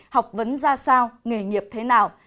học vấn ra sao nghề nghiệp thế nào